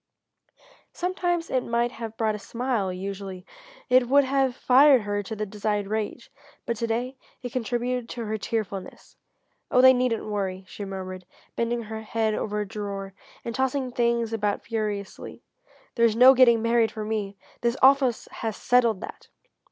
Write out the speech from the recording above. Sometimes it might have brought a smile, usually it would have fired her to the desired rage, but to day it contributed to her tearfulness. "Oh they needn't worry," she murmured, bending her head over a drawer, and tossing things about furiously, "there's no getting married for me! This office has settled that!"